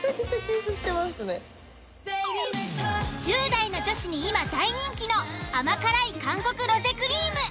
１０代の女子に今大人気の甘辛い韓国ロゼクリーム。